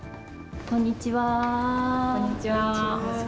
こんにちは。